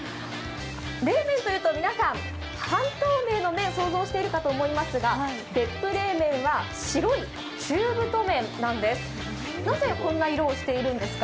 冷麺というと半透明の麺想像しているかと思いますが別府冷麺は、白い中太麺なんです。